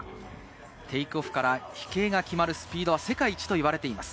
テークオフから飛型が決まるスピードは世界一と言われています。